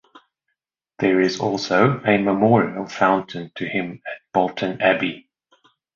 There is also a memorial fountain to him at Bolton Abbey.